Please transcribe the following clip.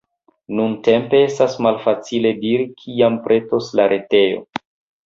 Nuntempe, estas malfacile diri kiam pretos la retejo.